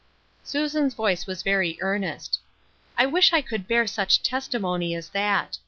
Susan's voice was very earnest. " I wish I could bear such testimony as that.